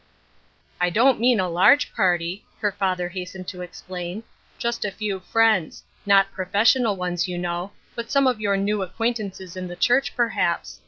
" I don't mean a large party," her father has tened to explain, " Just a few friends — not professional ones, you know, but some of your new acquaintances in the church, perhaps.